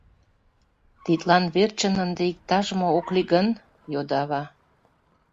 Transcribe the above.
— Тидлан верчын ынде иктаж-мо ок лий гын? — йодо ава.